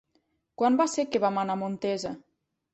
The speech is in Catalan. Quan va ser que vam anar a Montesa?